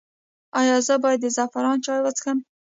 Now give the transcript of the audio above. ایا زه باید د زعفران چای وڅښم؟